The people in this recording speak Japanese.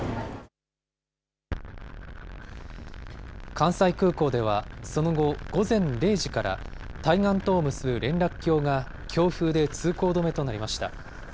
関西空港では、その後、午前０時から対岸とを結ぶ連絡橋が強風で通行止めとなりました。